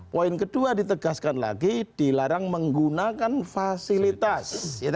poin kedua ditegaskan lagi dilarang menggunakan fasilitas